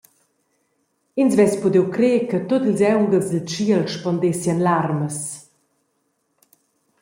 Ins vess pudiu crer che tut ils aunghels dil tschiel spondessien larmas.